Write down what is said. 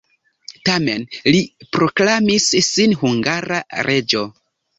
Tamen li proklamis sin hungara reĝo.